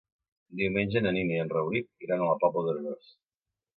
Diumenge na Nina i en Rauric iran a la Pobla d'Arenós.